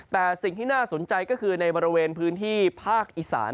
แต่สิ่งที่น่าสนใจก็คือในบริเวณพื้นที่ภาคอีสาน